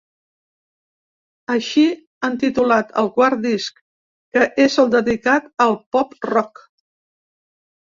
Així han titulat el quart disc, que és el dedicat al pop-rock.